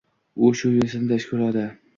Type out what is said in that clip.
U shu yo‘sinida ish ko‘radi.